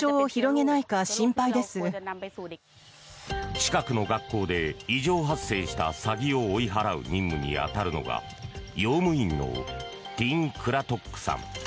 近くの学校で異常発生したサギを追い払う任務に当たるのが用務員のティンクラトックさん。